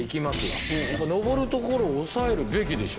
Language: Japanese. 上る所を押さえるべきでしょ。